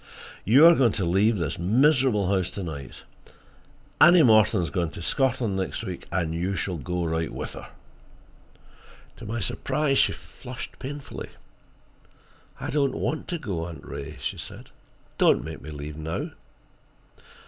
You are going to leave this miserable house to night. Annie Morton is going to Scotland next week, and you shall go right with her." To my surprise, she flushed painfully. "I don't want to go, Aunt Ray," she said. "Don't make me leave now."